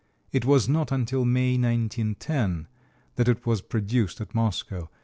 It was not until May, 1910, that it was produced at Moscow.